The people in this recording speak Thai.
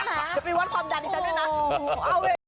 เดี๋ยวไปวัดคอมดันอีกแสดงด้วยนะ